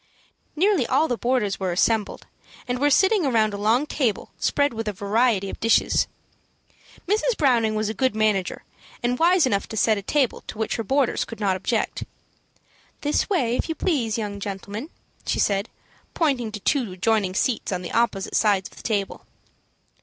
Nearly all the boarders were assembled, and were sitting around a long table spread with a variety of dishes. Mrs. Browning was a good manager, and was wise enough to set a table to which her boarders could not object. "This way, if you please, young gentlemen," she said, pointing to two adjoining seats on the opposite side of the table.